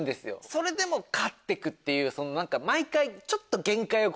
それでも勝ってくっていう。